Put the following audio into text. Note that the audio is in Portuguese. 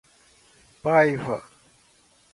Paiva